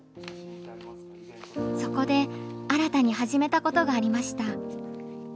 そこで新たに始めたことがありました。